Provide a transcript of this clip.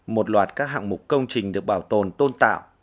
một loạt các hạng mục công trình được bảo tồn tôn tạo